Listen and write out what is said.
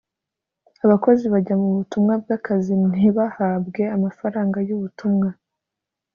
abakozi bajya mu butumwa bw akazi ntibahabwe amafaranga y ubutumwa